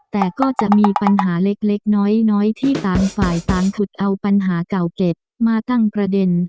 แต่ก็จะมีปัญหาเล็กน้อยที่ต่างฝ่ายต่างขุดเอาปัญหาเก่าเก็ตมาตั้งประเด็น